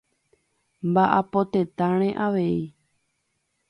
Omba'apo tetãre avei.